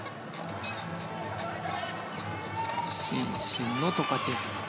伸身のトカチェフ。